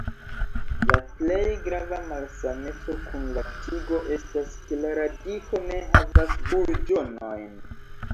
La plej grava malsameco kun la tigo estas ke la radiko ne havas burĝonojn.